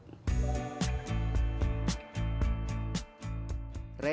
jadi kita bisa membuat produk produk yang terbaik